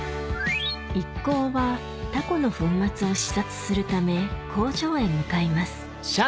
一行はタコの粉末を視察するため工場へ向かいます